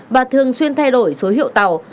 và thường xuyên thay đổi số hiệu tàu